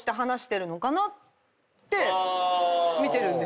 て見てるんですよ。